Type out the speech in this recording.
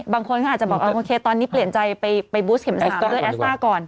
บางคนก็อาจจะบอกโอเคตอนนี้เปลี่ยนใจไปบูสเข็ม๓ด้วยแอสต้าก่อน